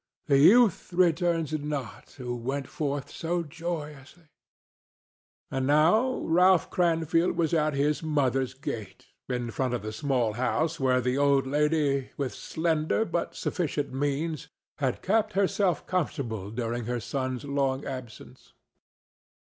The youth returns not who went forth so joyously." And now Ralph Cranfield was at his mother's gate, in front of the small house where the old lady, with slender but sufficient means, had kept herself comfortable during her son's long absence.